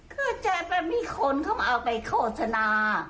ก็จะมีคนเข้ามาเอาไปโฆษณา